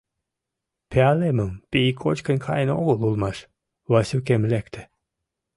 Пиалемым пий кочкын каен огыл улмаш — Васюкем лекте.